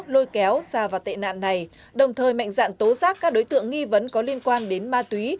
lôi kéo xa vào tệ nạn này đồng thời mạnh dạng tố giác các đối tượng nghi vấn có liên quan đến ma túy